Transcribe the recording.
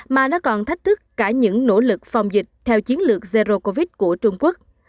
mà nó còn thách thức cả những nỗ lực phòng dịch theo chiến lược zero covid của trung quốc